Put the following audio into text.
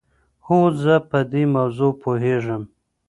هو زه په دې موضوع پوهېږم.